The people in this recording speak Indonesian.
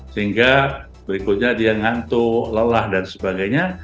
sehingga berikutnya dia ngantuk lelah dan sebagainya